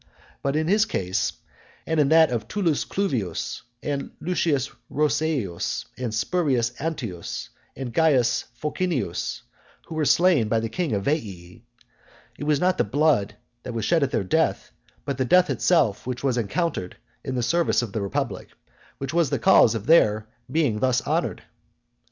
But in his case, and in that of Tullus Cluvius, and Lucius Roseius, and Spurius Antius, and Caius Fulcinius, who were slain by the king of Veii, it was not the blood that was shed at their death, but the death itself which was encountered in the service of the republic, which was the cause of their being thus honoured.